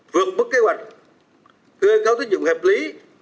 vượt mức kế hoạch cơ cấu tín dụng hợp lý